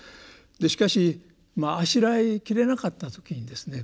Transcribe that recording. しかしあしらいきれなかった時にですね